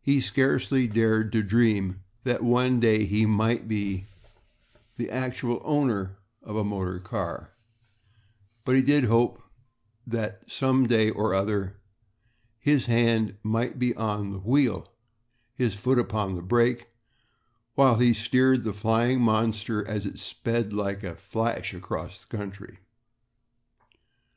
He scarcely dared to dream that one day he might be the actual owner of a motor car, but he did hope that some day or other his hand might be on the wheel, his foot upon the brake, while he steered the flying monster as it sped like a flash across the country.